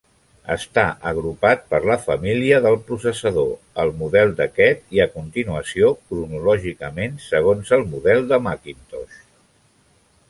Està agrupat per la família del processador, el model d'aquest i, a continuació, cronològicament segons el model de Macintosh.